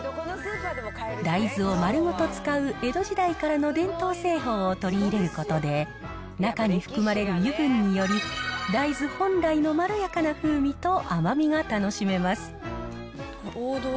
大豆を丸ごと使う江戸時代からの伝統製法を取り入れることで、中に含まれる油分により、大豆本来のまろやかな風味と甘みが楽しめます。